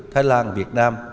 thái lan việt nam